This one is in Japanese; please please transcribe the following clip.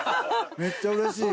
めっちゃ嬉しい！